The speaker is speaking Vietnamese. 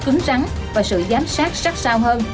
rất rắn và sự giám sát sắc sao hơn